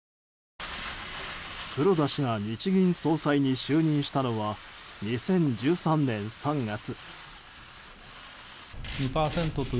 黒田氏が日銀総裁に就任したのは２０１３年３月。